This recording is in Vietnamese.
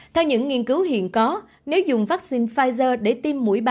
theo những nghiên cứu hiện có nếu dùng vaccine pfizer để tiêm mũi ba